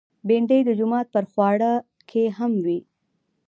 بېنډۍ د جومات پر خواړه کې هم وي